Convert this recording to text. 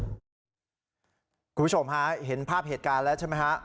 คุณผู้ชมฮะเห็นภาพเหตุการณ์แล้วใช่ไหมฮะ